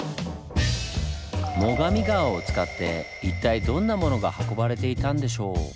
最上川を使って一体どんなものが運ばれていたんでしょう？